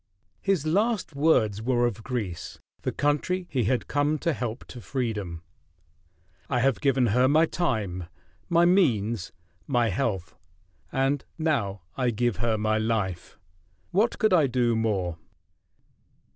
His last words were of Greece, the country he had come to help to freedom: "I have given her my time, my means, my health and now I give her my life! What could I do more?"